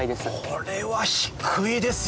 これは低いですよ。